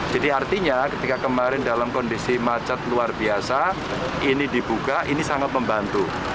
jadi artinya ketika kemarin dalam kondisi macet luar biasa ini dibuka ini sangat membantu